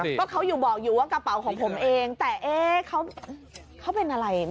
ก็เขาอยู่บอกอยู่ว่ากระเป๋าของผมเองแต่เอ๊ะเขาเป็นอะไร